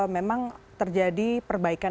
memang terjadi perbaikan